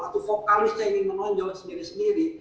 atau vokalisnya ingin menonjol sendiri sendiri